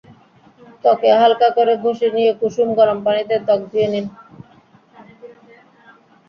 ত্বকে হালকা করে ঘষে নিয়ে কুসুম গরম পানিতে ত্বক ধুয়ে নিন।